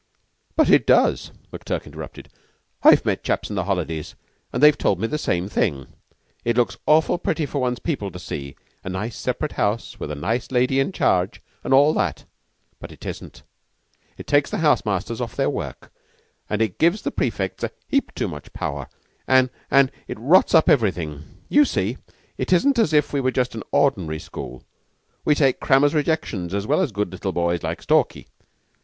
"But it does," McTurk interrupted. "I've met chaps in the holidays, an' they've told me the same thing. It looks awfully pretty for one's people to see a nice separate house with a nice lady in charge, an' all that. But it isn't. It takes the house masters off their work, and it gives the prefects a heap too much power, an' an' it rots up everything. You see, it isn't as if we were just an ordinary school. We take crammers' rejections as well as good little boys like Stalky.